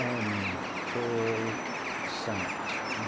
] M. HALL, SAT.